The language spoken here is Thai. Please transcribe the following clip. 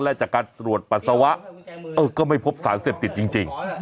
และจากการตรวจปัสสาวะก็ไม่พบสารเสพติดจริง